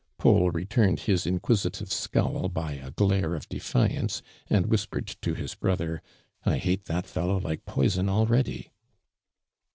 Paul retmned his in<piisitive scowl by a glare of <leliance, ami whisjx.fcd to his lirother: "I hate that fellow like poison already